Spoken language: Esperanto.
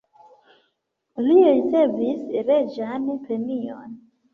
Li ricevis reĝan premion.